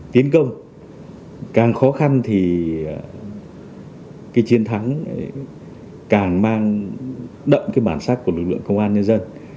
tiến công càng khó khăn thì chiến thắng càng mang đậm bản sắc của lực lượng công an nhân dân